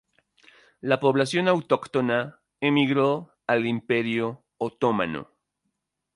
La población autóctona emigró al Imperio otomano.